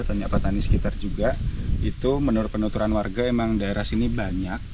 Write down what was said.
banyak petani sekitar juga itu menurut penuturan warga emang daerah sini banyak